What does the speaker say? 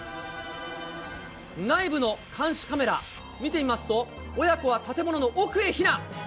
内部の監視カメラ、見てみますと、母娘は建物の奥へ避難。